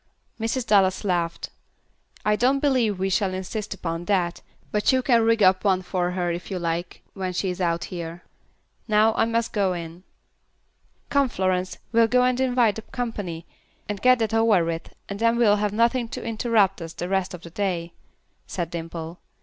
Mrs. Dallas laughed. "I don't believe we will insist upon that, but you can rig up one for her if you like, when she is out here. Now I must go in." "Come, Florence, we'll go and invite the company, and get that over with, and then we'll have nothing to interrupt us the rest of the day," said Dimple.